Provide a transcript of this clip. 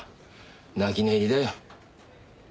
泣き寝入りだよ。